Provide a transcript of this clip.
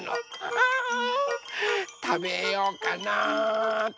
あたべようかなっと。